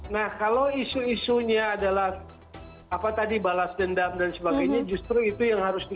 nah kalau isu isunya adalah apa tadi balas dendam dan sebagainya justru itu yang harus di